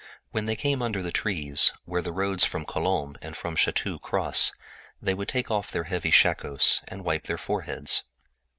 When they arrived under the trees where the roads from Colombes and from Chatou cross, they would take off their heavy helmets and wipe their foreheads.